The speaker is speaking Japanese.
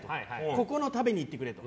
ここの食べに行ってくれと。